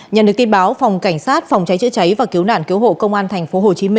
nhận được tin báo phòng cảnh sát phòng cháy chữa cháy và cứu nạn cứu hộ công an tp hcm